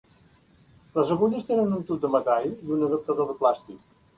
Les agulles tenen un tub de metall i un adaptador de plàstic.